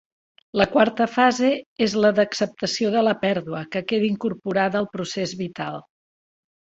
La quarta fase és la d'acceptació de la pèrdua, que queda incorporada al procés vital.